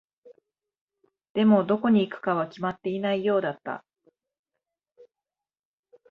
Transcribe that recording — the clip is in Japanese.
でも、どこに行くかは決まっていないようだった。